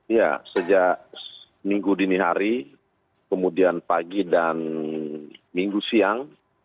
ya sejak minggu dini hari kemudian pagi dan minggu siang